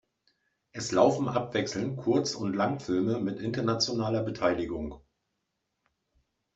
Es laufen abwechselnd Kurz- und Langfilme mit internationaler Beteiligung.